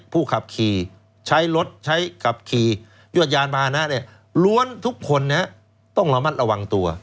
ผู้ขับขี่ใช้รถใช้ขับขี่ยวดยานมานะล้วนทุกคนต้องระมัดระวังตัว